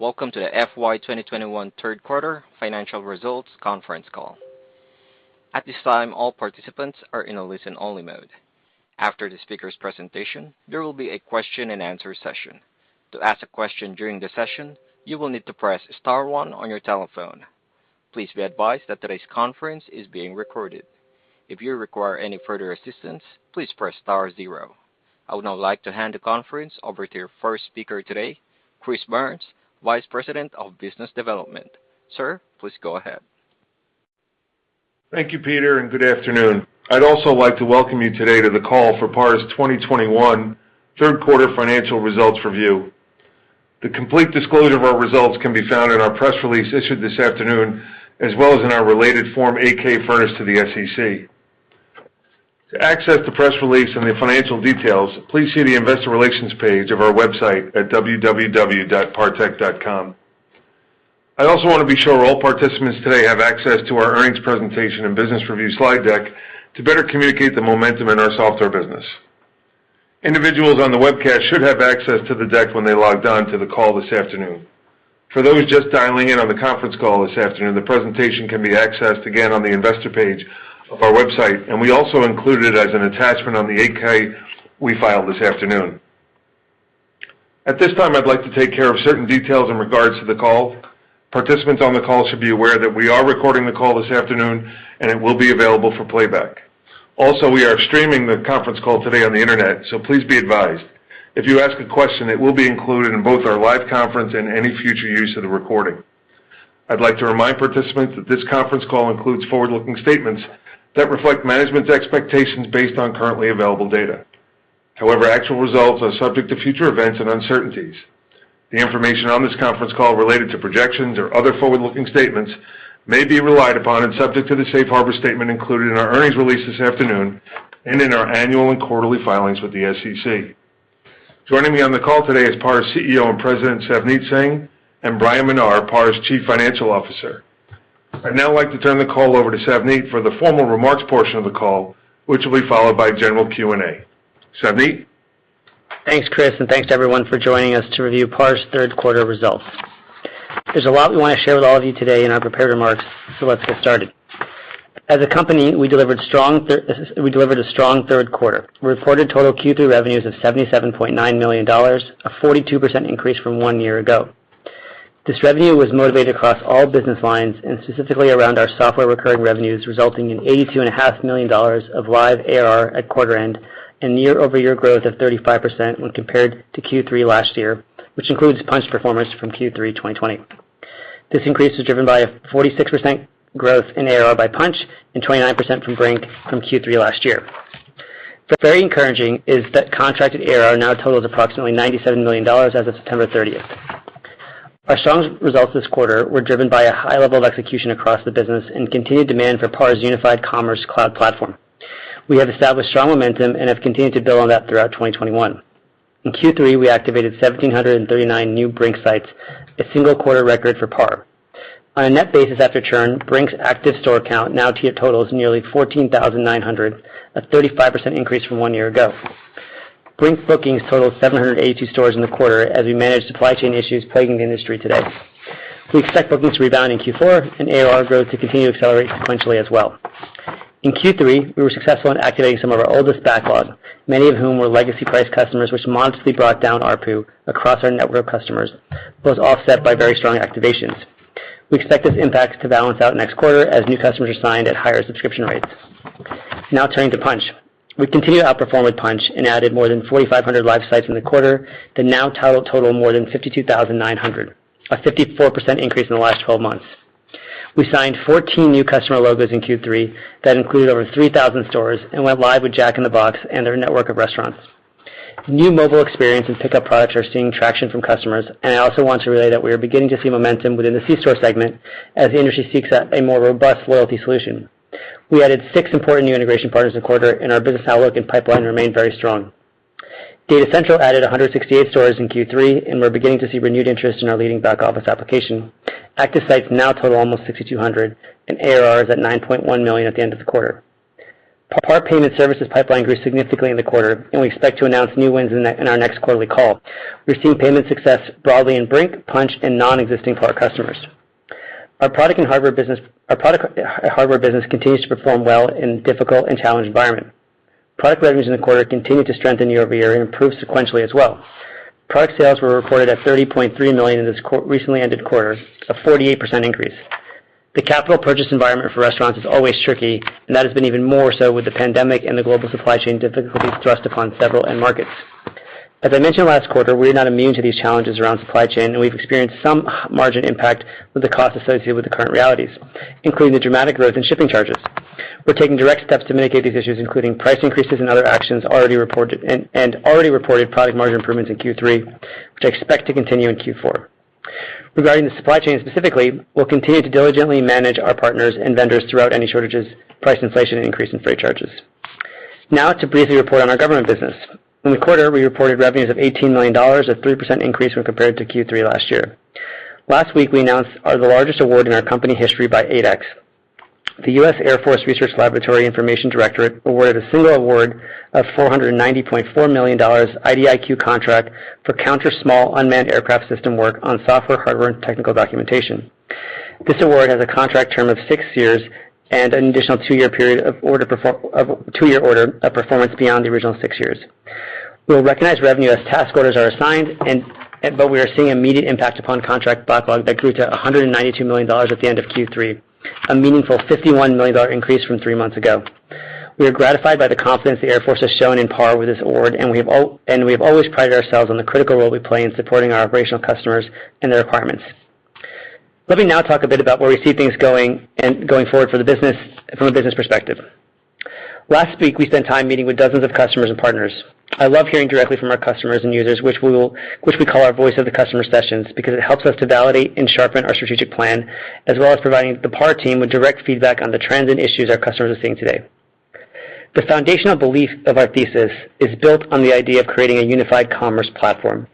Welcome to the FY 2021 Third Quarter Financial Results Conference Call. At this time, all participants are in a listen-only mode. After the speaker's presentation, there will be a question-and-answer session. To ask a question during the session, you will need to press star, one on your telephone. Please be advised that today's conference is being recorded. If you require any further assistance, please press star, zero. I would now like to hand the conference over to your first speaker today, Chris Byrnes, Vice President of Business Development. Sir, please go ahead. Thank you, Peter, and good afternoon. I'd also like to welcome you today to the call for PAR's 2021 third quarter financial results review. The complete disclosure of our results can be found in our press release issued this afternoon, as well as in our related Form 8-K furnished to the SEC. To access the press release and the financial details, please see the investor relations page of our website at www.partech.com. I'd also want to be sure all participants today have access to our earnings presentation, and business review slide deck to better communicate the momentum in our software business. Individuals on the webcast should have access to the deck when they logged on to the call this afternoon. For those just dialing in on the conference call this afternoon, the presentation can be accessed again on the investor page of our website, and we also include it as an attachment on the 8-K we filed this afternoon. At this time, I'd like to take care of certain details in regards to the call. Participants on the call should be aware that we are recording the call this afternoon, and it will be available for playback. Also, we are streaming the conference call today on the Internet, so please be advised. If you ask a question, it will be included in both our live conference and any future use of the recording. I'd like to remind participants that this conference call includes forward-looking statements that reflect management's expectations based on currently available data. However, actual results are subject to future events and uncertainties. The information on this conference call related to projections or other forward-looking statements may be relied upon, and subject to the safe harbor statement included in our earnings release this afternoon and in our annual and quarterly filings with the SEC. Joining me on the call today is PAR's CEO and President, Savneet Singh, and Bryan Menar, PAR's Chief Financial Officer. I'd now like to turn the call over to Savneet for the formal remarks portion of the call, which will be followed by general Q&A. Savneet? Thanks, Chris, and thanks to everyone for joining us to review PAR's Third Quarter Results. There's a lot we want to share with all of you today in our prepared remarks, so let's get started. As a company, we delivered a strong third quarter. Reported total Q3 revenues of $77.9 million, a 42% increase from one year ago. This revenue was movated across all business lines and specifically around our software recurring revenues, resulting in $82.5 million of live ARR at quarter end and year-over-year growth of 35% when compared to Q3 last year, which includes Punchh performance from Q3 2020. This increase is driven by a 46% growth in ARR by Punchh and 29% from Brink from Q3 last year. Very encouraging is that contracted ARR now totals approximately $97 million as of September 30. Our strongest results this quarter were driven by a high level of execution across the business, and continued demand for PAR's unified commerce cloud platform. We have established strong momentum, and have continued to build on that throughout 2021. In Q3, we activated 1,739 new Brink sites, a single-quarter record for PAR. On a net basis after churn, Brink's active store count now totals nearly 14,900, a 35% increase from one year ago. Brink's bookings totaled 782 stores in the quarter, as we managed supply chain issues plaguing the industry today. We expect bookings to rebound in Q4 and ARR growth to continue to accelerate sequentially as well. In Q3, we were successful in activating some of our oldest backlog, many of whom were legacy price customers, which modestly brought down ARPU across our network of customers, but was offset by very strong activations. We expect this impact to balance out next quarter as new customers are signed at higher subscription rates. Now turning to Punchh. We continue to outperform with Punchh and added more than 4,500 live sites in the quarter that now total more than 52,900, a 54% increase in the last 12 months. We signed 14 new customer logos in Q3 that included over 3,000 stores, and went live with Jack in the Box and their network of restaurants. New mobile experience and pickup products are seeing traction from customers, and I also want to relay that we are beginning to see momentum within the C-store segment as the industry seeks out a more robust loyalty solution. We added six important new integration partners this quarter, and our business outlook and pipeline remain very strong. Data Central added 168 stores in Q3, and we're beginning to see renewed interest in our leading back-office application. Active sites now total almost 6,200, and ARR is at $9.1 million at the end of the quarter. PAR Payment Services pipeline grew significantly in the quarter, and we expect to announce new wins in our next quarterly call. We're seeing payment success broadly in Brink, Punchh, and non-Brinks PAR customers. Our product and hardware business continues to perform well in difficult and challenging environment. Product revenues in the quarter continued to strengthen year-over-year and improve sequentially as well. Product sales were recorded at $30.3 million in this recently ended quarter, a 48% increase. The capital purchase environment for restaurants is always tricky, and that has been even more so with the pandemic and the global supply chain difficulties thrust upon several end markets. As I mentioned last quarter, we're not immune to these challenges around supply chain, and we've experienced some margin impact with the costs associated with the current realities, including the dramatic growth in shipping charges. We're taking direct steps to mitigate these issues, including price increases and other actions, and already reported product margin improvements in Q3, which I expect to continue in Q4. Regarding the supply chain specifically, we'll continue to diligently manage our partners and vendors throughout any shortages, price inflation, increase in freight charges. Now to briefly report on our government business. In the quarter, we reported revenues of $18 million, a 3% increase when compared to Q3 last year. Last week, we announced the largest award in our company history by 8x. The U.S. Air Force Research Laboratory Information Directorate awarded a single award of $490.4 million IDIQ contract for counter small unmanned aircraft system work on software, hardware and technical documentation. This award has a contract term of six years, and an additional two-year order of performance beyond the original six years. We'll recognize revenue as task orders are assigned, but we are seeing immediate impact upon contract backlog that grew to $192 million at the end of Q3, a meaningful $51 million increase from three months ago. We are gratified by the confidence the Air Force has shown in PAR with this award, and we have always prided ourselves on the critical role we play in supporting our operational customers and their requirements. Let me now talk a bit about where we see things going forward for the business from a business perspective. Last week, we spent time meeting with dozens of customers and partners. I love hearing directly from our customers and users, which we call our voice of the customer sessions, because it helps us to validate and sharpen our strategic plan, as well as providing the PAR team with direct feedback on the trends and issues our customers are seeing today. The foundational belief of our thesis is built on the idea of creating a unified commerce platform,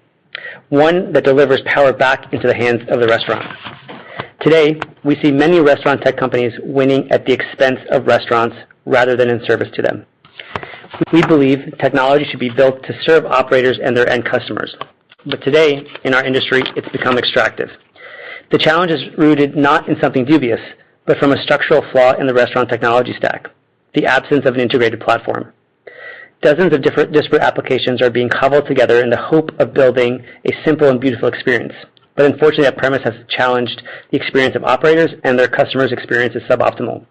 one that delivers power back into the hands of the restaurant. Today, we see many restaurant tech companies winning at the expense of restaurants rather than in service to them. We believe technology should be built to serve operators and their end customers. Today, in our industry, it's become extractive. The challenge is rooted not in something dubious, but from a structural flaw in the restaurant technology stack, the absence of an integrated platform. Dozens of different disparate applications are being cobbled together in the hope of building a simple and beautiful experience. Unfortunately, that premise has challenged the experience of operators and their customers' experience is suboptimal.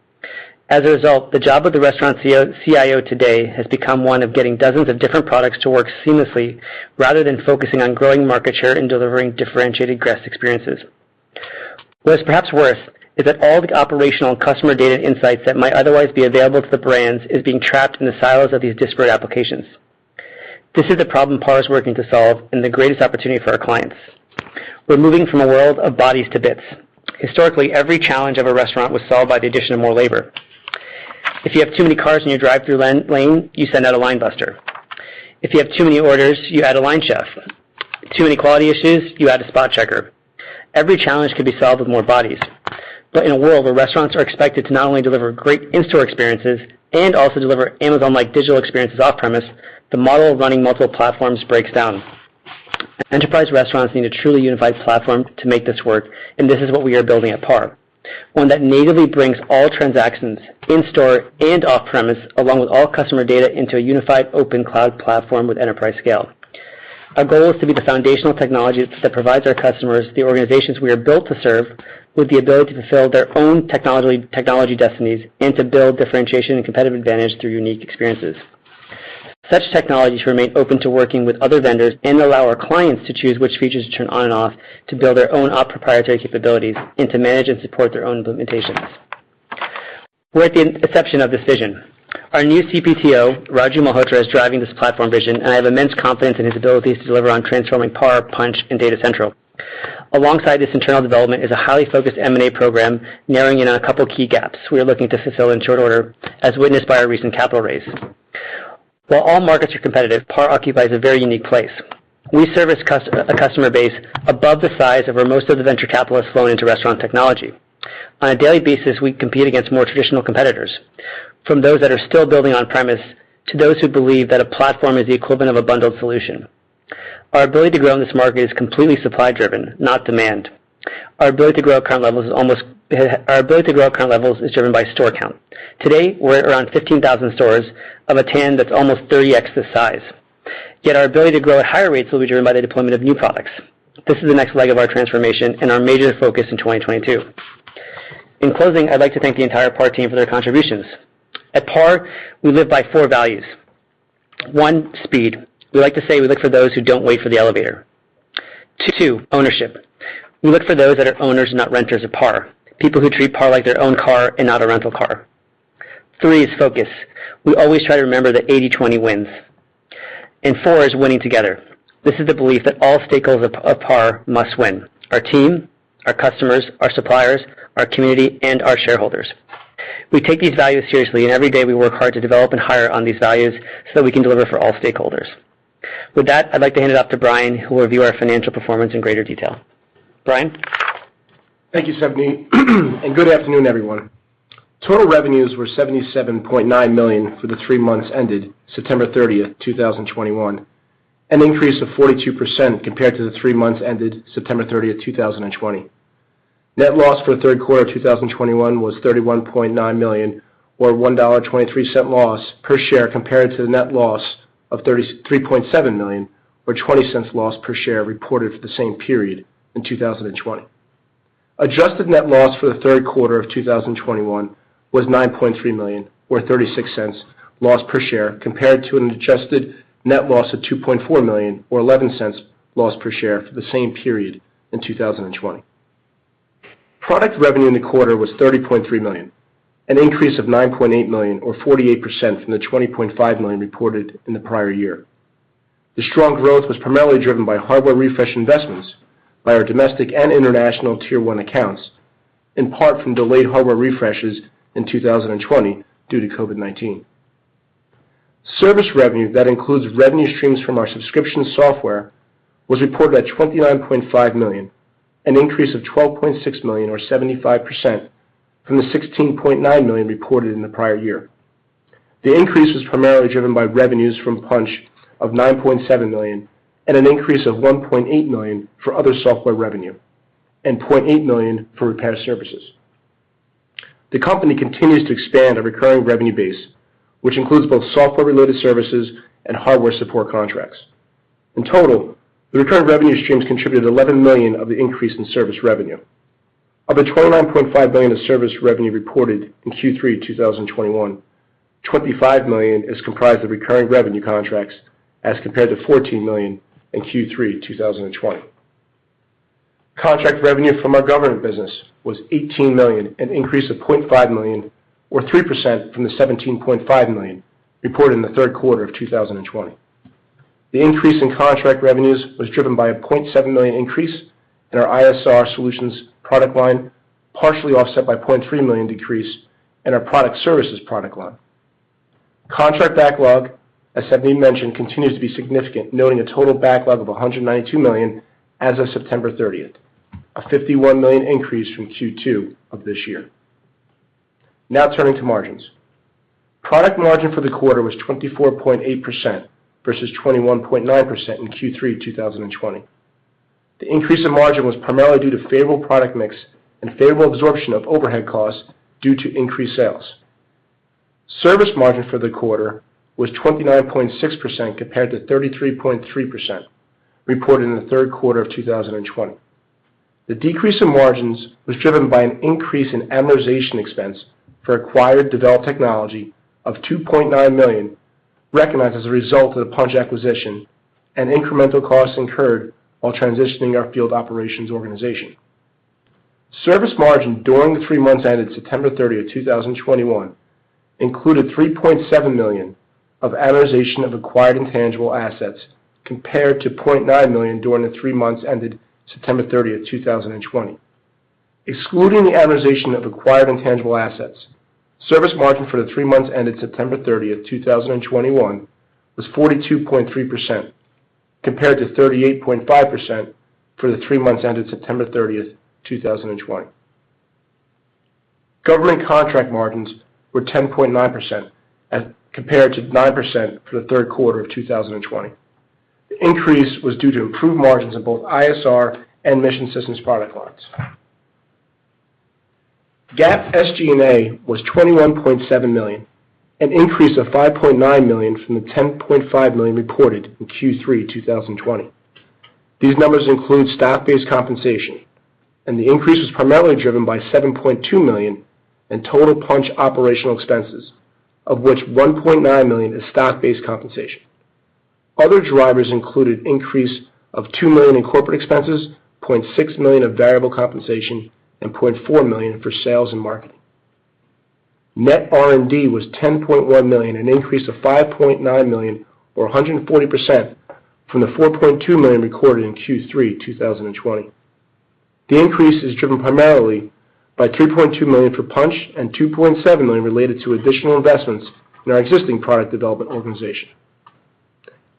As a result, the job of the restaurant CIO today has become one of getting dozens of different products to work seamlessly, rather than focusing on growing market share and delivering differentiated guest experiences. What is perhaps worse is that all the operational, and customer data insights that might otherwise be available to the brands, is being trapped in the silos of these disparate applications. This is a problem PAR is working to solve, and the greatest opportunity for our clients. We're moving from a world of bodies to bits. Historically, every challenge of a restaurant was solved by the addition of more labor. If you have too many cars in your drive-through lane, you send out a line buster. If you have too many orders, you add a line chef. Too many quality issues, you add a spot checker. Every challenge could be solved with more bodies. In a world where restaurants are expected to not only deliver great in-store experiences, and also deliver Amazon-like digital experiences off-premise, the model of running multiple platforms breaks down. Enterprise restaurants need a truly unified platform to make this work, and this is what we are building at PAR. One that natively brings all transactions in-store and off-premise, along with all customer data into a unified open cloud platform with enterprise scale. Our goal is to be the foundational technology that provides our customers, the organizations we are built to serve, with the ability to fulfill their own technology destinies and to build differentiation, and competitive advantage through unique experiences. Such technologies remain open to working with other vendors and allow our clients to choose, which features to turn on and off to build their own proprietary capabilities, and to manage and support their own implementations. We're at the inception of this vision. Our new CPTO, Raju Malhotra is driving this platform vision, and I have immense confidence in his abilities to deliver on transforming PAR, Punchh and Data Central. Alongside this internal development is a highly focused M&A program narrowing in on a couple of key gaps, we are looking to fulfill in short order, as witnessed by our recent capital raise. While all markets are competitive, PAR occupies a very unique place. We service a customer base above the size of where most of the venture capitalists flow into restaurant technology. On a daily basis, we compete against more traditional competitors, from those that are still building on premise to those who believe that a platform is the equivalent of a bundled solution. Our ability to grow in this market is completely supply-driven, not demand. Our ability to grow account levels is driven by store count. Today, we're at around 15,000 stores of a TAM that's almost 30x this size. Yet our ability to grow at higher rates will be driven by the deployment of new products. This is the next leg of our transformation and our major focus in 2022. In closing, I'd like to thank the entire PAR team for their contributions. At PAR, we live by four values. One, speed. We like to say we look for those who don't wait for the elevator. Two, ownership. We look for those that are owners, not renters of PAR. People who treat PAR like their own car and not a rental car. Three is focus. We always try to remember that 80/20 wins. Four is winning together. This is the belief that all stakeholders of PAR must win, our team, our customers, our suppliers, our community, and our shareholders. We take these values seriously, and every day we work hard to develop and hire on these values, so that we can deliver for all stakeholders. With that, I'd like to hand it off to Bryan, who will review our financial performance in greater detail. Bryan? Thank you, Savneet. Good afternoon, everyone. Total revenues were $77.9 million for the three months ended September 30, 2021, an increase of 42% compared to the three months ended September 30, 2020. Net loss for the third quarter of 2021 was $31.9 million, or $1.23 loss per share compared to the net loss of $33.7 million or $0.20 loss per share reported for the same period in 2020. Adjusted net loss for the third quarter of 2021 was $9.3 million or $0.36 loss per share, compared to an adjusted net loss of $2.4 million or $0.11 loss per share for the same period in 2020. Product revenue in the quarter was $30.3 million, an increase of $9.8 million or 48% from the $20.5 million reported in the prior year. The strong growth was primarily driven by hardware refresh investments by our domestic and international tier one accounts, in part from delayed hardware refreshes in 2020 due to COVID-19. Service revenue that includes revenue streams from our subscription software was reported at $29.5 million, an increase of $12.6 million or 75% from the $16.9 million reported in the prior year. The increase was primarily driven by revenues from Punchh of $9.7 million and an increase of $1.8 million for other software revenue, and $0.8 million for repair services. The company continues to expand a recurring revenue base, which includes both software related services and hardware support contracts. In total, the recurring revenue streams contributed $11 million of the increase in service revenue. Of the $29.5 million of service revenue reported in Q3 2021, $25 million is comprised of recurring revenue contracts as compared to $14 million in Q3 2020. Contract revenue from our government business was $18 million, an increase of $0.5 million or 3% from the $17.5 million reported in the third quarter of 2020. The increase in contract revenues was driven by a $0.7 million increase in our ISR solutions product line, partially offset by $0.3 million decrease in our product services product line. Contract backlog, as Savneet mentioned, continues to be significant, noting a total backlog of $192 million as of September 30, a $51 million increase from Q2 of this year. Now turning to margins. Product margin for the quarter was 24.8% versus 21.9% in Q3 2020. The increase in margin was primarily due to favorable product mix, and favorable absorption of overhead costs due to increased sales. Service margin for the quarter was 29.6% compared to 33.3% reported in the third quarter of 2020. The decrease in margins was driven by an increase in amortization expense for acquired developed technology of $2.9 million, recognized as a result of the Punchh acquisition and incremental costs incurred, while transitioning our field operations organization. Service margin during the three months ended September 30, 2021 included $3.7 million of amortization of acquired intangible assets, compared to $0.9 million during the three months ended September 30, 2020. Excluding the amortization of acquired intangible assets, service margin for the three months ended September 30, 2021 was 42.3% compared to 38.5% for the three months ended September 30, 2020. Government contract margins were 10.9% as compared to 9% for the third quarter of 2020. The increase was due to improved margins in both ISR and Mission Systems product lines. GAAP SG&A was $21.7 million, an increase of $5.9 million from the $10.5 million reported in Q3 2020. These numbers include stock-based compensation, and the increase was primarily driven by $7.2 million in total Punchh operational expenses, of which $1.9 million is stock-based compensation. Other drivers included increase of $2 million in corporate expenses, $0.6 million of variable compensation, and $0.4 million for sales and marketing. Net R&D was $10.1 million, an increase of $5.9 million or 140% from the $4.2 million recorded in Q3 2020. The increase is driven primarily by $3.2 million for Punchh, and $2.7 million related to additional investments in our existing product development organization.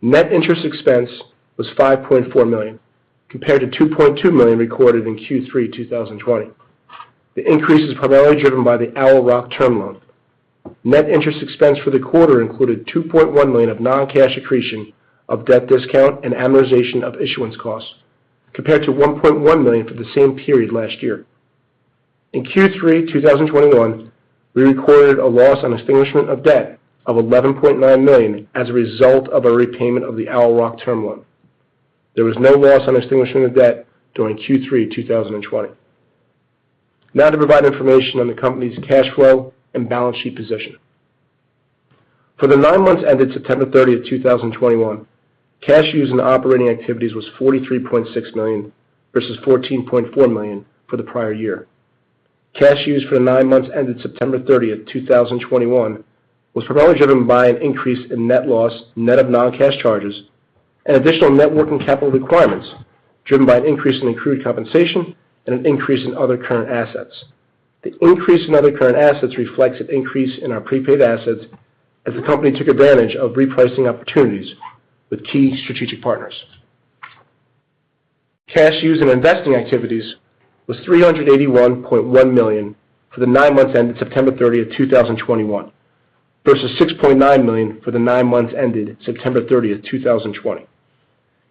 Net interest expense was $5.4 million, compared to $2.2 million recorded in Q3 2020. The increase is primarily driven by the Owl Rock term loan. Net interest expense for the quarter included $2.1 million of non-cash accretion of debt discount and amortization of issuance costs, compared to $1.1 million for the same period last year. In Q3 2021, we recorded a loss on extinguishment of debt of $11.9 million, as a result of a repayment of the Owl Rock term loan. There was no loss on extinguishment of debt during Q3 2020. Now, to provide information on the company's cash flow and balance sheet position. For the nine months ended September 30, 2021, cash used in operating activities was $43.6 million versus $14.4 million for the prior year. Cash used for the nine months ended September 30, 2021 was primarily driven by an increase in net loss, net of non-cash charges, and additional net working capital requirements driven by an increase in accrued compensation and an increase in other current assets. The increase in other current assets reflects an increase in our prepaid assets, as the company took advantage of repricing opportunities with key strategic partners. Cash used in investing activities was $381.1 million for the nine months ended September 30, 2021, versus $6.9 million for the nine months ended September 30, 2020.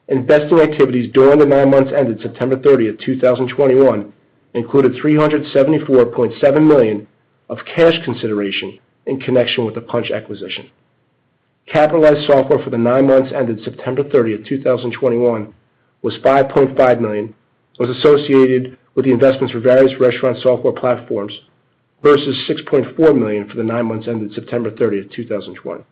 Investing activities during the nine months ended September 30, 2021, included $374.7 million of cash consideration in connection with the Punchh acquisition. Capitalized software for the nine months ended September 30, 2021 was $5.5 million, was associated with the investments for various restaurant software platforms versus $6.4 million for the nine months ended September 30, 2020.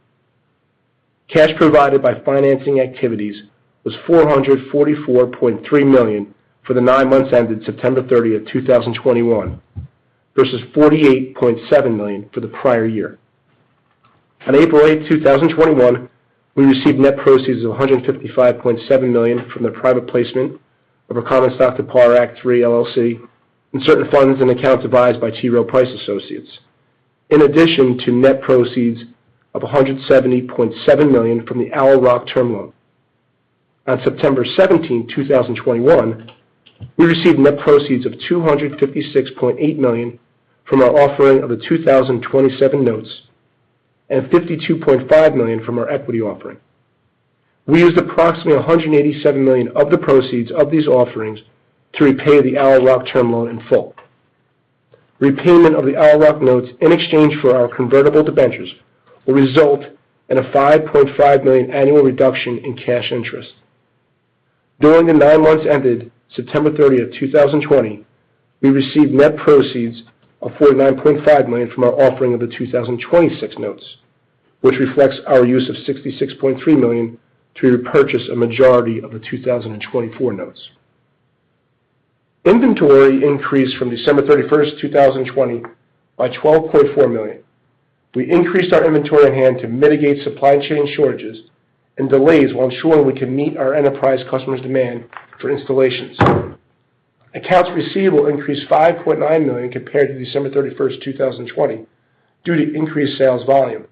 Cash provided by financing activities was $444.3 million for the nine months ended September 30, 2021 versus $48.7 million for the prior year. On April 8, 2021, we received net proceeds of $155.7 million from the private placement of common stock to PAR Act III LLC, and certain funds and accounts advised by T. Rowe Price Associates, in addition to net proceeds of $170.7 million from the Owl Rock term loan. On September 17, 2021, we received net proceeds of $256.8 million from our offering of the 2027 Notes, and $52.5 million from our equity offering. We used approximately $187 million of the proceeds of these offerings to repay the Owl Rock term loan in full. Repayment of the Owl Rock notes in exchange for our convertible debentures will result in a $5.5 million annual reduction in cash interest. During the nine months ended September 30, 2020, we received net proceeds of $49.5 million from our offering of the 2026 notes, which reflects our use of $66.3 million to repurchase a majority of the 2024 notes. Inventory increased from December 31, 2020 by $12.4 million. We increased our inventory on hand to mitigate supply chain shortages and delays, while ensuring we can meet our enterprise customers' demand for installations. Accounts receivable increased $5.9 million compared to December 31, 2020, due to increased sales volume.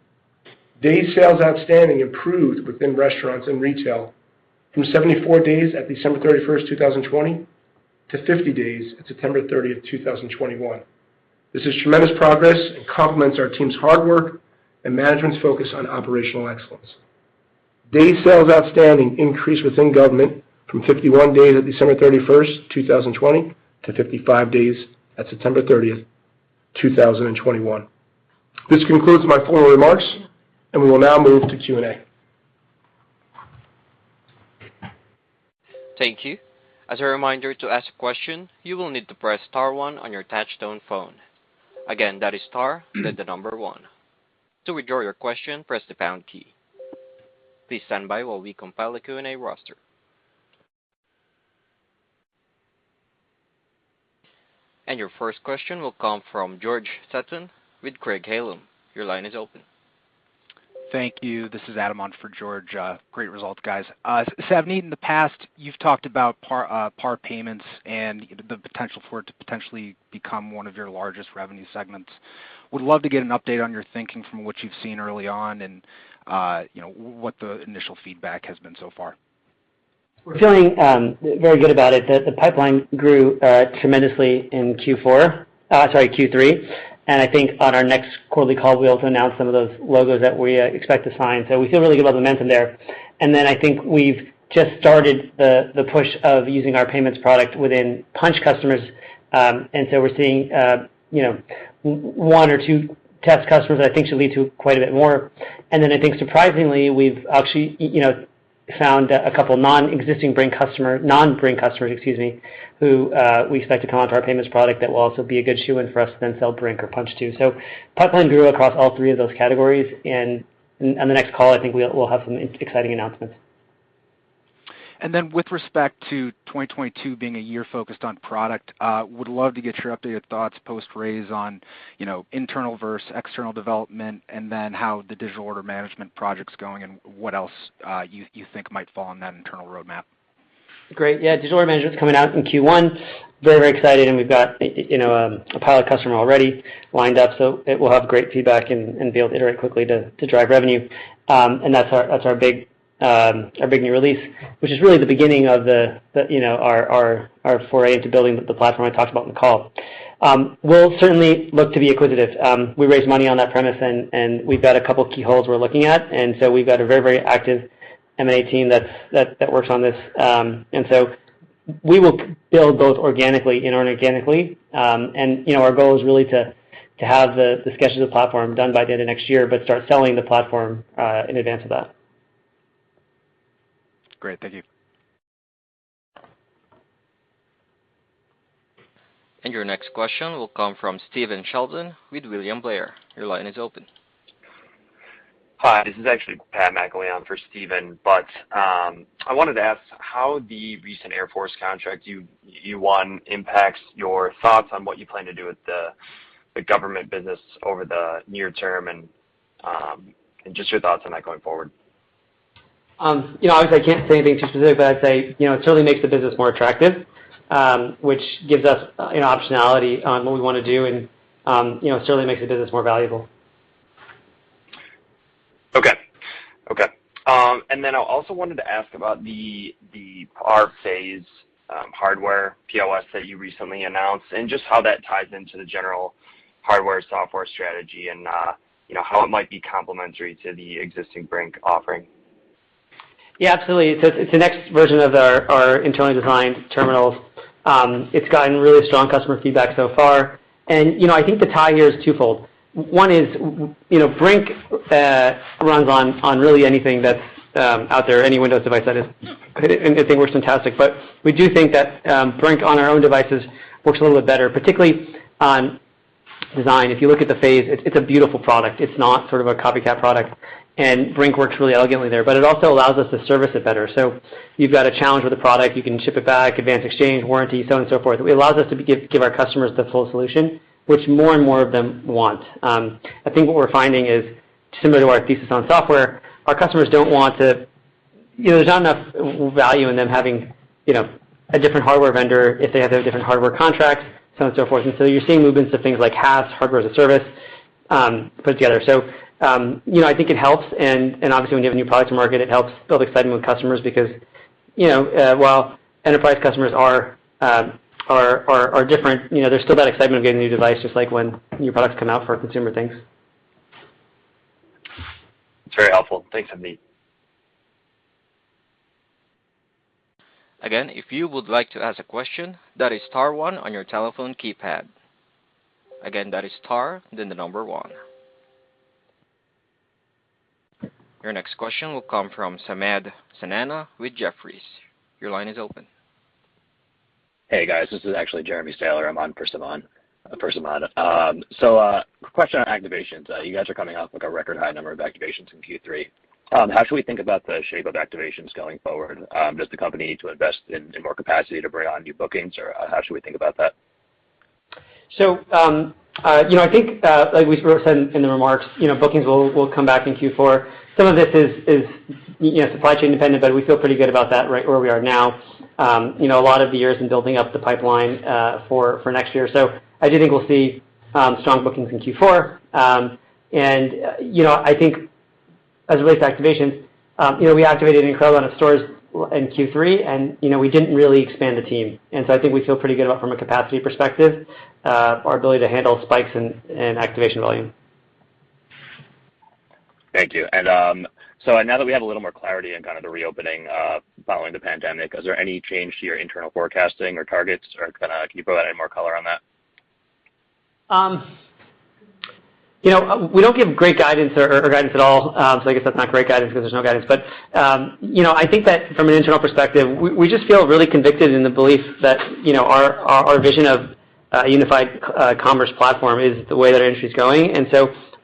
Day sales outstanding improved within restaurants and retail from 74 days at December 31, 2020 to 50 days at September 30, 2021. This is tremendous progress, and complements our team's hard work and management's focus on operational excellence. Day sales outstanding increased within government from 51 days at December 31, 2020 to 55 days at September 30, 2021. This concludes my formal remarks, and we will now move to Q&A. Thank you. As a reminder, to ask a question, you will need to press star, one on your touchtone phone. Again, that is star, then the number one. To withdraw your question, press the pound key. Please stand by while we compile a Q&A roster. Your first question will come from George Sutton with Craig-Hallum. Your line is open. Thank you. This is Adam Wyden on for George. Great results, guys. Savneet, in the past, you've talked about PAR payments and the potential for it to potentially become one of your largest revenue segments. Would love to get an update on your thinking from what you've seen early on and, you know, what the initial feedback has been so far. We're feeling very good about it. The pipeline grew tremendously in Q3. I think on our next quarterly call, we'll be able to announce some of those logos that we expect to sign. We feel really good about the momentum there. I think we've just started the push of using our payments product within Punchh customers. We're seeing, one or two test customers I think should lead to quite a bit more. I think surprisingly, we've actually, you know, found a couple non-Brink customers, excuse me, who we expect to come onto our payments product that will also be a good shoo-in for us to then sell Brink or Punchh to. Pipeline grew across all three of those categories, and on the next call, I think we'll have some exciting announcements. Then with respect to 2022 being a year focused on product, would love to get your updated thoughts post-raise on, you know, internal versus external development and then how the digital order management project's going, and what else you think might fall on that internal roadmap. Great, yeah. Digital order management's coming out in Q1. Very, very excited, and we've got, you know a pilot customer already lined up, so it will have great feedback and be able to iterate quickly to drive revenue. That's our big new release, which is really the beginning of, you know, our foray into building the platform I talked about on the call. We'll certainly look to be acquisitive. We raised money on that premise, and we've got a couple of keyholes we're looking at. We've got a very, very active M&A team that works on this. We will build both organically and inorganically. You know, our goal is really to have the sketches of the platform done by the end of next year, but start selling the platform in advance of that. Great. Thank you. Your next question will come from Stephen Sheldon with William Blair. Your line is open. Hi, this is actually Patrick McIlwee for Stephen. I wanted to ask how the recent Air Force contract you won impacts your thoughts on what you plan to do with the government business over the near term, and just your thoughts on that going forward. You know, obviously, I can't say anything too specific, but I'd say, you know, it certainly makes the business more attractive, which gives us, you know, optionality on what we want to do and, you know, certainly makes the business more valuable. Okay. I also wanted to ask about the PAR phase hardware POS that you recently announced and just how that ties into the general hardware, software strategy and you know, how it might be complementary to the existing Brink offering. Yeah, absolutely. It's the next version of our internally designed terminals. It's gotten really strong customer feedback so far. You know, I think the tie here is twofold. One is, you know, Brink runs on really anything that's out there, any Windows device, that is. It works fantastic. We do think that Brink on our own devices works a little bit better, particularly on design. If you look at the phase, it's a beautiful product. It's not sort of a copycat product, and Brink works really elegantly there. It also allows us to service it better. You've got a challenge with a product, you can ship it back, advance exchange, warranty, so on and so forth. It allows us to give our customers the full solution, which more and more of them want. I think what we're finding is similar to our thesis on software, our customers don't want to. You know, there's not enough value in them having, you know, a different hardware vendor if they have their different hardware contracts, so on and so forth. You're seeing movements to things like HaaS, Hardware as a Service, put together. You know, I think it helps and obviously when you have a new product to market it helps build excitement with customers because, you know, while enterprise customers are different, you know, there's still that excitement of getting a new device just like when new products come out for consumer things. It's very helpful. Thanks, Savneet. Again, if you would like to ask a question, that is star, one on your telephone keypad. Again, that is star, then the number one. Your next question will come from Samad Samana with Jefferies. Your line is open. Hey, guys. This is actually Jeremy Sahler. I'm on for Samad Samana. Question on activations. You guys are coming off like a record high number of activations in Q3. How should we think about the shape of activations going forward? Does the company need to invest in more capacity to bring on new bookings, or how should we think about that? You know, I think, like we said in the remarks, you know, bookings will come back in Q4. Some of this is you know, supply chain dependent, but we feel pretty good about that right where we are now. You know, a lot of the years in building up the pipeline for next year. I do think we'll see strong bookings in Q4. You know, I think as it relates to activations, you know, we activated an incredible amount of stores in Q3, and, you know, we didn't really expand the team. I think we feel pretty good about from a capacity perspective, our ability to handle spikes in activation volume. Thank you. Now that we have a little more clarity in kind of the reopening following the pandemic, is there any change to your internal forecasting or targets or kind of can you provide any more color on that? You know, we don't give great guidance or guidance at all. I guess that's not great guidance because there's no guidance. You know, I think that from an internal perspective, we just feel really convicted in the belief that, you know, our vision of a unified commerce platform is the way that our industry is going.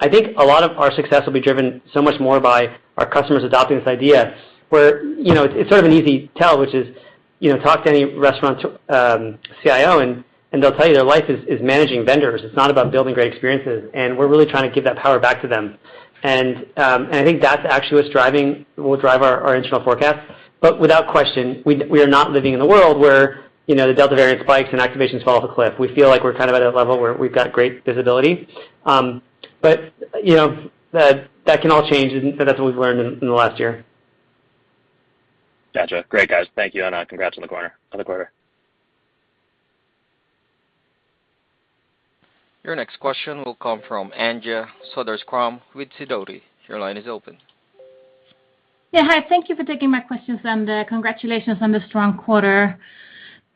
I think a lot of our success will be driven so much more by our customers adopting this idea where, you know, it's sort of an easy tell, which is, you know, talk to any restaurant CIO and they'll tell you their life is managing vendors. It's not about building great experiences. We're really trying to give that power back to them. I think that's actually what will drive our internal forecast. Without question, we are not living in a world where, you know, the Delta variant spikes and activations fall off a cliff. We feel like we're kind of at a level where we've got great visibility. You know, that can all change, and so that's what we've learned in the last year. Got you. Great, guys. Thank you, and congrats on the quarter. Your next question will come from Anja Soderstrom with Sidoti. Your line is open. Yeah, hi. Thank you for taking my questions, and congratulations on the strong quarter.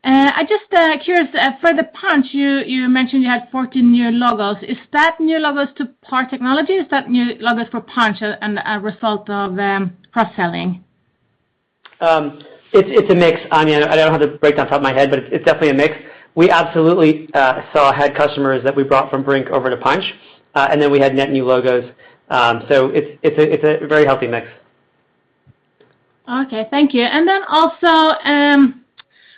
I'm just curious, for the Punchh, you mentioned you had 14 new logos. Is that new logos to PAR Technology, or is that new logos for Punchh and a result of cross-selling? It's a mix, Anja. I don't have the breakdown off the top of my head, but it's definitely a mix. We absolutely had customers that we brought from Brink over to Punchh, and then we had net new logos. It's a very healthy mix. Okay. Thank you. Also,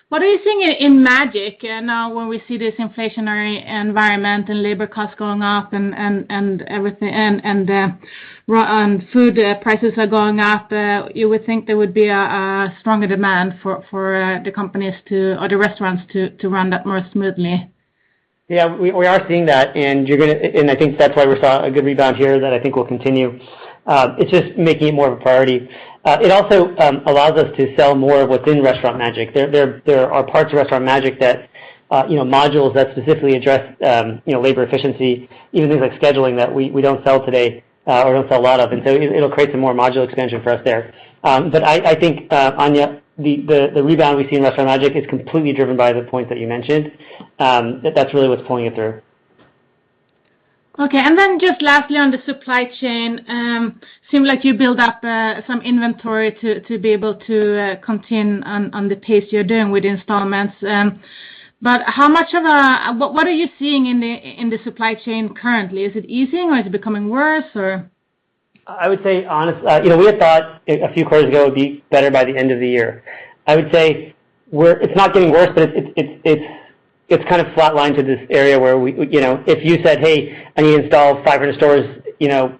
what are you seeing in Magic now when we see this inflationary environment, and labor costs going up and everything, and food prices are going up? You would think there would be a stronger demand for the companies to, or the restaurants to run that more smoothly. Yeah. We are seeing that, and I think that's why we saw a good rebound here that I think will continue. It's just making it more of a priority. It also allows us to sell more within Restaurant Magic. There are parts of Restaurant Magic that, you know, modules that specifically address, you know, labor efficiency, even things like scheduling that we don't sell today, or don't sell a lot of. It'll create some more module expansion for us there. I think, Anja, the rebound we see in Restaurant Magic is completely driven by the points that you mentioned. That's really what's pulling it through. Okay. Just lastly on the supply chain, seem like you built up some inventory to be able to continue on the pace you're doing with installments, but what are you seeing in the supply chain currently? Is it easing or is it becoming worse or? I would say, honestly, you know, we had thought a few quarters ago it would be better by the end of the year. I would say we're, it's not getting worse, but it's kind of flatlined to this area where, you know, if you said, "Hey, I need to install 500 stores," you know,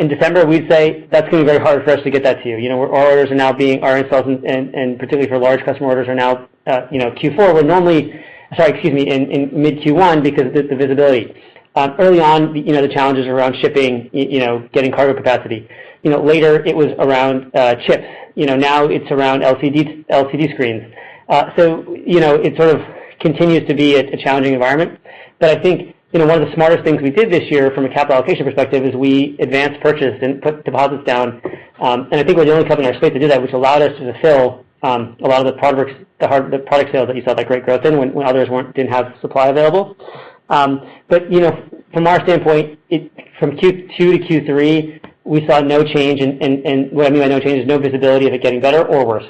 in December, we'd say, "That's going to be very hard for us to get that to you." You know, our orders are now being, our installs and particularly for large customer orders are now, you know, in mid Q1 because of the visibility. Early on, you know, the challenges around shipping, you know, getting cargo capacity. You know, later it was around, chips. You know, now it's around LCD screens. You know, it sort of continues to be a challenging environment. I think, you know, one of the smartest things we did this year from a capital allocation perspective is we advanced purchase, and put deposits down. I think we're the only company in our space to do that, which allowed us to fulfill a lot of the product, the hardware, the product sales that you saw that great growth in when others didn't have supply available. You know, from our standpoint, from Q2 to Q3, we saw no change and what I mean by no change is, no visibility of it getting better or worse.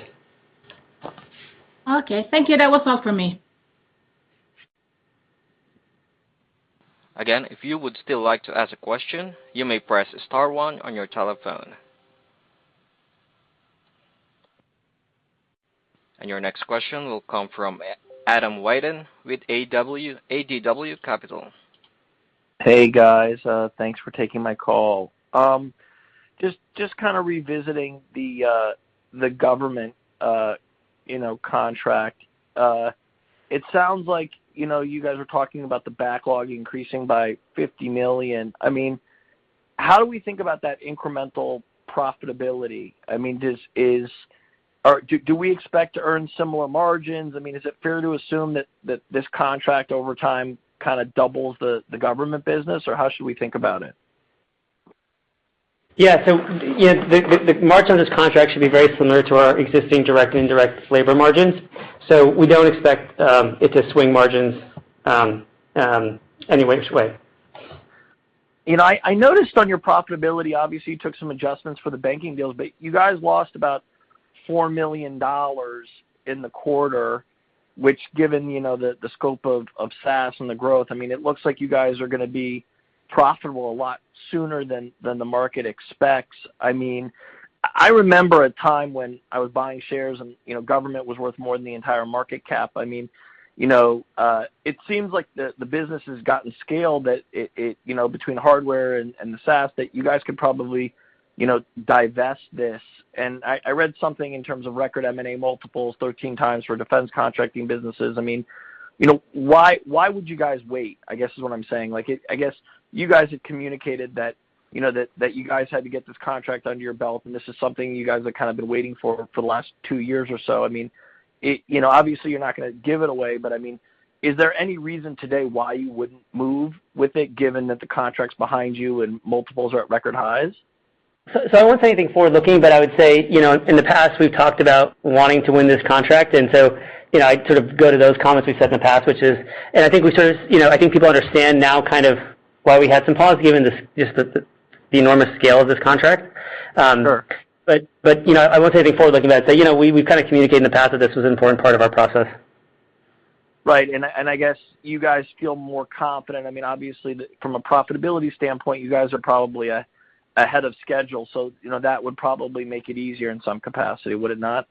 Okay. Thank you. That was all from me. Again, if you would still like to ask a question, you may press star, one on your telephone. Your next question will come from Adam Wyden with ADW Capital. Hey, guys. Thanks for taking my call. Just kind of revisiting the government contract, it sounds like you guys are talking about the backlog increasing by $50 million. I mean, how do we think about that incremental profitability? I mean, or do we expect to earn similar margins? I mean, is it fair to assume that this contract over time kind of doubles the government business, or how should we think about it? Yeah. The margin on this contract should be very similar to our existing direct and indirect labor margins. We don't expect it to swing margins any way. You know, I noticed on your profitability obviously, you took some adjustments for the banking deals, but you guys lost about $4 million in the quarter, which given the scope of SaaS and the growth, I mean, it looks like you guys are going to be profitable a lot sooner than the market expects. I mean, I remember a time when I was buying shares and, you know, government was worth more than the entire market cap. I mean, you know, it seems like the business has gotten scaled, that you know, between hardware and the SaaS, that you guys could probably, you know, divest this. I read something in terms of record M&A multiples, 13x for defense contracting businesses. I mean, you know, why would you guys wait, I guess is what I'm saying? Like, I guess you guys had communicated that, you know, you guys had to get this contract under your belt, and this is something you guys have kind of been waiting for the last two years or so. I mean, you know, obviously, you're not going to give it away, but I mean, is there any reason today why you wouldn't move with it, given that the contract's behind you and multiples are at record highs? I won't say anything forward-looking, but I would say, you know, in the past, we've talked about wanting to win this contract. You know, I'd sort of go to those comments we've said in the past, which is. I think people understand now kind of why we had some pause, given just the enormous scale of this contract. Sure. You know, I won't say anything forward-looking, but I'd say, you know, we've kind of communicated in the past that this was an important part of our process. Right. I guess you guys feel more confident. I mean, obviously, from a profitability standpoint, you guys are probably ahead of schedule, so, you know, that would probably make it easier in some capacity, would it not?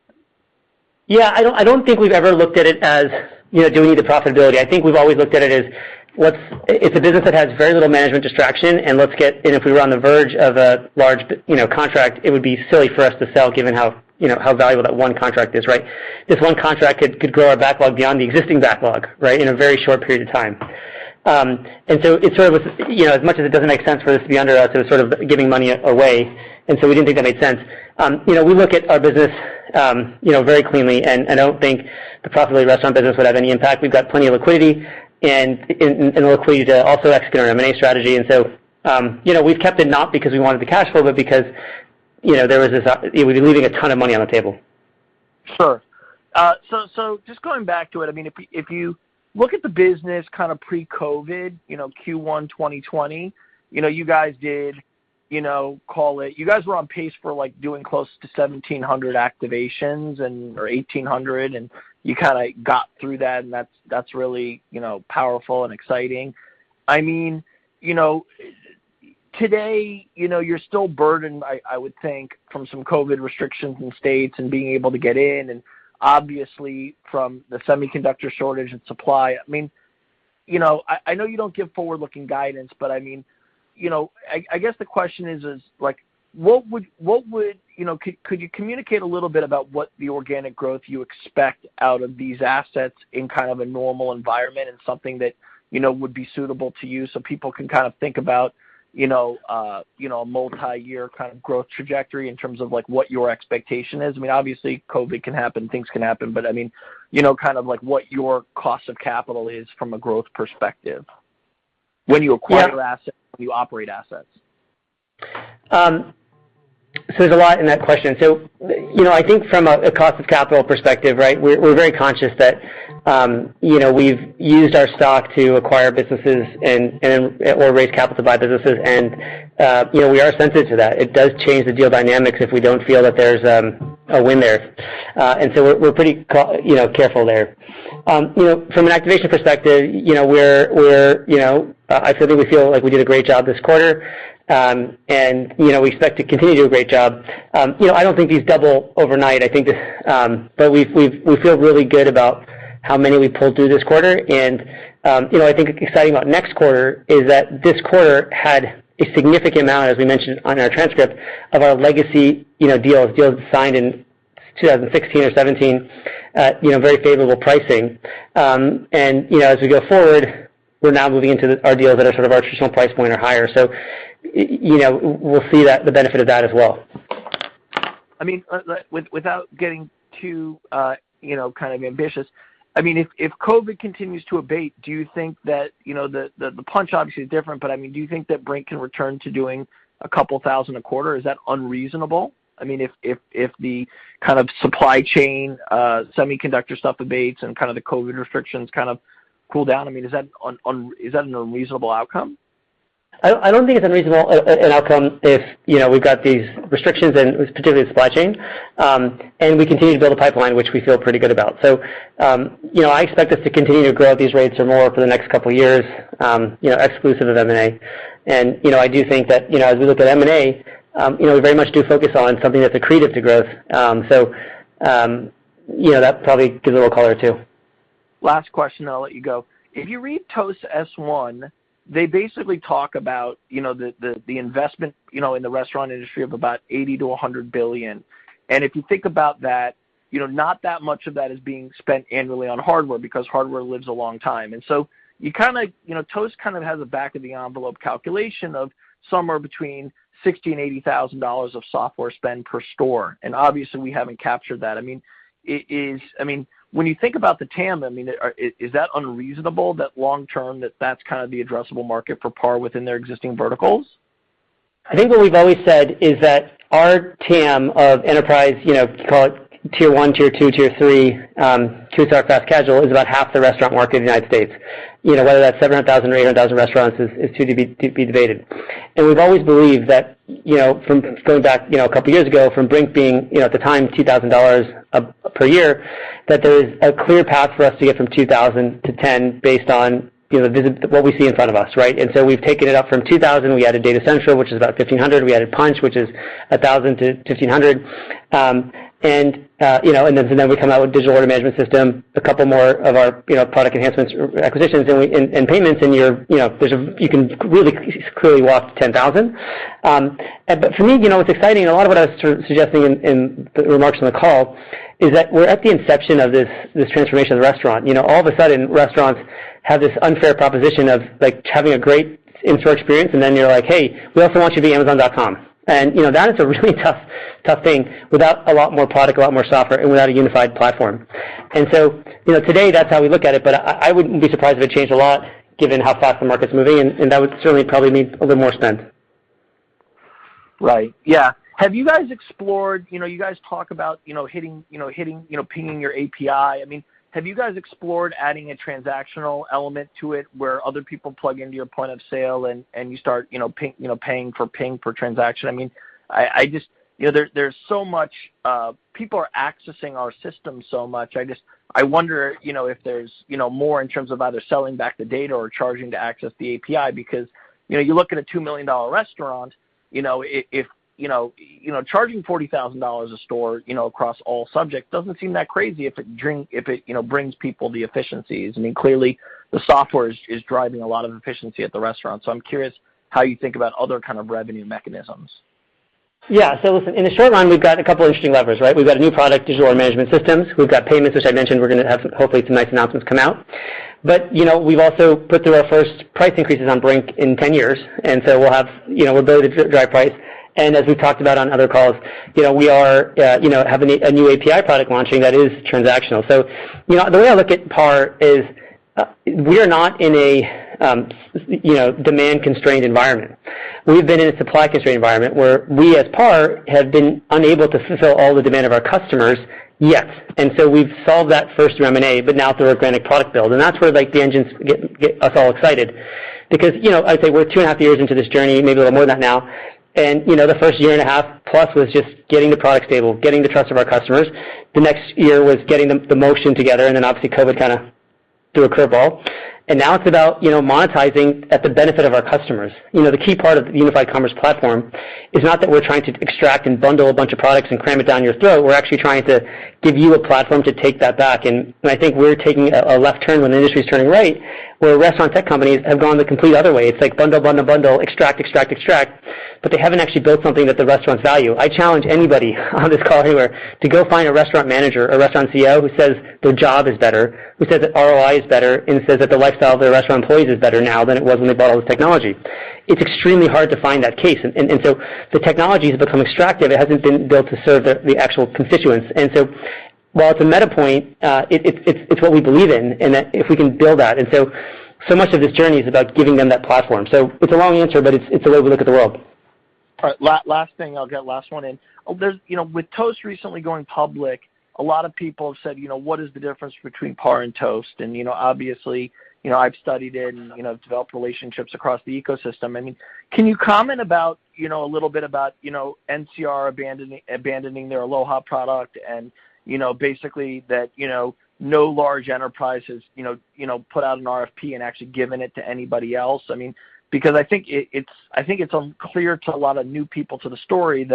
Yeah. I don't think we've ever looked at it as, you know, do we need the profitability? I think we've always looked at it as, it's a business that has very little management distraction. If we were on the verge of a large, you know, contract, it would be silly for us to sell given, you know, how valuable that one contract is, right? This one contract could grow our backlog beyond the existing backlog, right, in a very short period of time. You know, as much as it doesn't make sense for this to be under us, it was sort of giving money away and so we didn't think that made sense. You know, we look at our business, you know, very cleanly, and I don't think the profitability of the restaurant business would have any impact. We've got plenty of liquidity, and liquidity to also execute our M&A strategy. You know, we've kept it not because we wanted the cash flow, but because, you know, it would be leaving a ton of money on the table. Sure. Just going back to it, I mean, if you look at the business kind of pre-COVID-19, you know, Q1 2020, you know, you guys were on pace for, like, doing close to 1,700 activations or 1,800, and you kind of got through that, and that's really, you know, powerful and exciting. I mean, you know, today, you know, you're still burdened, I would think from some COVID-19 restrictions in states and being able to get in, and obviously from the semiconductor shortage and supply. I mean, you know, I know you don't give forward-looking guidance. I mean, you know, I guess the question is, like, you know, could you communicate a little bit about what the organic growth you expect out of these assets in kind of a normal environment and something that, you know, would be suitable to you so people can kind of think about, you know, a multiyear kind of growth trajectory in terms of like what your expectation is? I mean, obviously COVID can happen, things can happen, but I mean, you know, kind of like what your cost of capital is from a growth perspective, when you acquire assets, when you operate assets. There's a lot in that question. You know, I think from a cost of capital perspective, right, we're very conscious that, you know, we've used our stock to acquire businesses and/or raise capital to buy businesses. You know, we are sensitive to that. It does change the deal dynamics if we don't feel that there's a win there. We're pretty careful there. You know, from an activation perspective, you know, I certainly feel like we did a great job this quarter. You know, we expect to continue to do a great job. You know, I don't think these double overnight, but we feel really good about how many we pulled through this quarter. You know, I think what's exciting about next quarter is that this quarter had a significant amount, as we mentioned on our transcript, of our legacy, you know, deals signed in 2016 or 2017 at, you know, very favorable pricing. You know, as we go forward, we're now moving into our deals that are sort of our traditional price point or higher. You know, we'll see the benefit of that as well. I mean, without getting too, you know, kind of ambitious, I mean, if COVID continues to abate, you know, the Punchh obviously is different, but, I mean, do you think that Brink can return to doing a couple thousand a quarter? Is that unreasonable? I mean, if the kind of supply chain, semiconductor stuff abates and kind of the COVID restrictions kind of cool down, I mean, is that an unreasonable outcome? I don't think it's unreasonable outcome if, you know, we've got these restrictions and particularly the supply chain, and we continue to build a pipeline, which we feel pretty good about. You know, I expect us to continue to grow at these rates or more over the next couple years, you know, exclusive of M&A. You know, I do think that, you know, as we look at M&A, you know, we very much do focus on something that's accretive to growth. You know, that probably gives a little color too. Last question, and I'll let you go. If you read Toast S-1, they basically talk about, you know, the investment, you know, in the restaurant industry of about $80 billion-$100 billion. If you think about that, you know, not that much of that is being spent annually on hardware because hardware lives a long time. You know, Toast kind of has a back-of-the-envelope calculation of somewhere between $60,000-$80,000 of software spend per store. Obviously, we haven't captured that. I mean, when you think about the TAM, I mean, is that unreasonable that long term, that that's kind of the addressable market for PAR within their existing verticals? I think what we've always said is that our TAM of enterprise, you know, call it tier one, tier two, tier three, quick service casual is about half the restaurant market in the United States. You know, whether that's 700,000 or 800,000 restaurants is to be debated. We've always believed that, you know, going back, you know, a couple of years ago from Brink being, you know, at the time, $2,000 per year, that there is a clear path for us to get from $2,000 to $10,000 based on, you know, what we see in front of us, right? We've taken it up from $2,000, we added Data Central, which is about $1,500. We added Punchh, which is $1,000-$1,500. You know, and then we come out with digital order management system, a couple more of our product enhancements or acquisitions, and payments, and you know, there's a way you can really clearly walk to 10,000. For me, you know, it's exciting. A lot of what I was sort of suggesting in the remarks on the call is that we're at the inception of this transformation of the restaurant. You know, all of a sudden, restaurants have this unfair proposition of like having a great in-store experience, and then you're like, "Hey, we also want you to be Amazon.com." You know, that is a really tough thing without a lot more product, a lot more software, and without a unified platform. You know, today that's how we look at it, but I wouldn't be surprised if it changed a lot given how fast the market's moving, and that would certainly probably mean a little more spend. Right, yeah. Have you guys explored? You know, you guys talk about pinging your API. I mean, have you guys explored adding a transactional element to it where other people plug into your point of sale, and you start paying for ping per transaction? I mean, you know, there's so much. People are accessing our system so much. I wonder, you know, if there's more in terms of either selling back the data or charging to access the API, because you look at a $2 million restaurant, you know, charging $40,000 a store across all subjects doesn't seem that crazy if it brings people the efficiencies. I mean, clearly, the software is driving a lot of efficiency at the restaurant. I'm curious how you think about other kind of revenue mechanisms. Yeah. Listen, in the short run, we've got a couple interesting levers, right? We've got a new product, digital order management systems. We've got payments, which I mentioned, we're going to have hopefully some nice announcements come out. You know, we've also put through our first price increases on Brink in 10 years, and so we'll have, you know, ability to drive price. As we talked about on other calls, you know, we are having a new API product launching that is transactional. You know, the way I look at PAR is, we're not in a demand-constrained environment. We've been in a supply-constrained environment where we as PAR, have been unable to fulfill all the demand of our customers yet. We've solved that first through M&A, but now through organic product build. That's where like the engines get us all excited because, you know, I'd say we're two and a half years into this journey, maybe a little more than that now, and, you know, the first year and a half plus was just getting the product stable, getting the trust of our customers. The next year was getting the motion together, and then obviously COVID kind of threw a curveball. Now it's about, you know, monetizing at the benefit of our customers. You know, the key part of the unified commerce platform is not that we're trying to extract and bundle a bunch of products, and cram it down your throat. We're actually trying to give you a platform to take that back. I think we're taking a left turn when the industry is turning right, where restaurant tech companies have gone the complete other way. It's like bundle, bundle, extract, extract, but they haven't actually built something that the restaurants value. I challenge anybody on this call here to go find a restaurant manager or restaurant CEO who says their job is better, who says that ROI is better, and says that the lifestyle of their restaurant employees is better now than it was when they bought all this technology. It's extremely hard to find that case. The technology has become extractive. It hasn't been built to serve the actual constituents. While it's a meta point, it's what we believe in and if we can build that. So much of this journey is about giving them that platform. It's a long answer, but it's the way we look at the world. All right. Last thing. I'll get last one in. You know, with Toast recently going public, a lot of people have said, you know, what is the difference between PAR and Toast? You know, obviously, you know, I've studied it and, you know, developed relationships across the ecosystem. I mean, can you comment, you know, a little bit about, you know, NCR abandoning their Aloha product and, you know, basically that, you know, no large enterprise has, you know, put out an RFP and actually given it to anybody else? I mean, because I think it's unclear to a lot of new people to the story,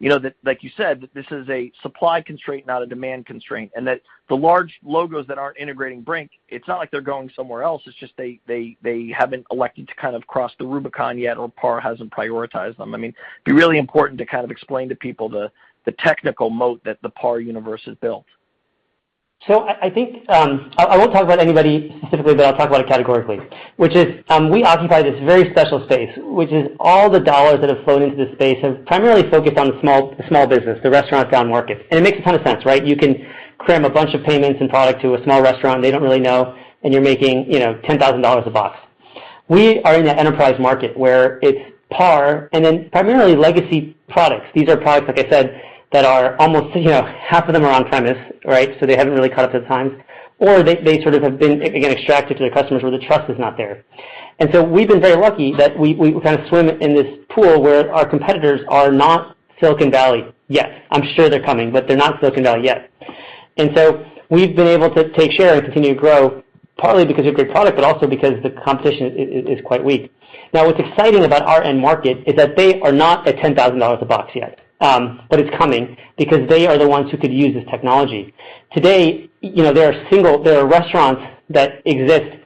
you know, that like you said, that this is a supply constraint, not a demand constraint, and that the large logos that aren't integrating Brink, it's not like they're going somewhere else, it's just they haven't elected to kind of cross the Rubicon yet or PAR hasn't prioritized them. I mean, it'd be really important to kind of explain to people the technical moat that the PAR universe has built. I think I won't talk about anybody specifically, but I'll talk about it categorically, which is we occupy this very special space, which is all the dollars that have flown into this space have primarily focused on the small business, the restaurant downmarkets. It makes a ton of sense, right? You can cram a bunch of payments and product to a small restaurant they don't really know, and you're making $10,000 a box. We are in the enterprise market where it's PAR, and then primarily legacy products. These are products, like I said, that are, almost half of them are on premise, right? They haven't really caught up to the times, or they sort of have been extracted to the customers where the trust is not there. We've been very lucky that we kind of swim in this pool where our competitors are not Silicon Valley yet. I'm sure they're coming, but they're not Silicon Valley yet. We've been able to take share and continue to grow, partly because of your great product, but also because the competition is quite weak. Now, what's exciting about our end market is that they are not at $10,000 a box yet, but it's coming because they are the ones who could use this technology. Today, you know, there are restaurants that exist,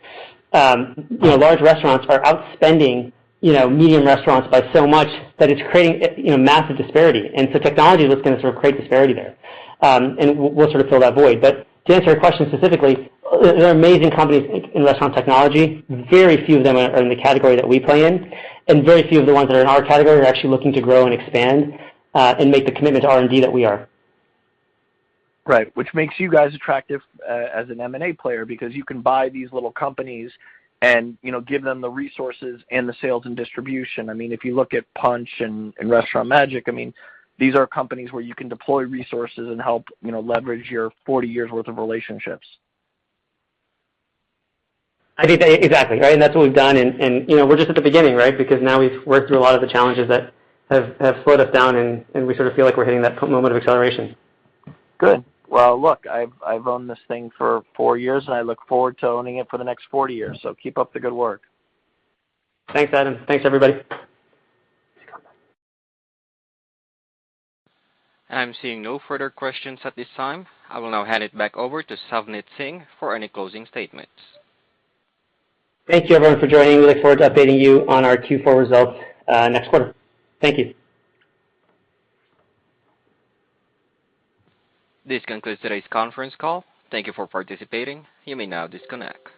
you know, large restaurants are outspending, you know, medium restaurants by so much that it's creating a massive disparity. Technology is what's going to sort of create disparity there. We'll sort of fill that void. To answer your question specifically, there are amazing companies in restaurant technology. Very few of them are in the category that we play in, and very few of the ones that are in our category are actually looking to grow and expand, and make the commitment to R&D that we are. Right. Which makes you guys attractive as an M&A player because you can buy these little companies and, you know, give them the resources and the sales and distribution. I mean, if you look at Punchh and Restaurant Magic, I mean, these are companies where you can deploy resources and help, you know, leverage your 40 years' worth of relationships. Exactly, right? That's what we've done. You know, we're just at the beginning, right? Because now we've worked through a lot of the challenges that have slowed us down, and we sort of feel like we're hitting that moment of acceleration. Good. Well, look, I've owned this thing for four years, and I look forward to owning it for the next 40 years, so keep up the good work. Thanks, Adam. Thanks, everybody. I'm seeing no further questions at this time. I will now hand it back over to Savneet Singh for any closing statements. Thank you, everyone, for joining. We look forward to updating you on our Q4 results next quarter. Thank you. This concludes today's conference call. Thank you for participating. You may now disconnect.